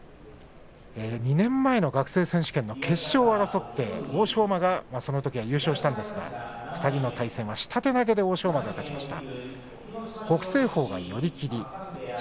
２年前の学生選手権の決勝を争って欧勝馬がそのときは優勝したんですがその２人の対戦は下手投げで欧勝馬が勝ちました。